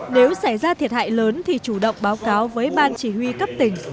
nếu xảy ra thiệt hại lớn thì chủ động báo cáo với ban chỉ huy cấp tỉnh